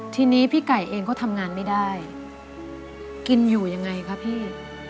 ทีนี้พี่ไก่เองก็ทำงานไม่ได้กินอยู่ยังไงคะพี่